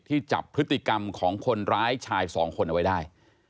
จับพฤติกรรมของคนร้ายชายสองคนเอาไว้ได้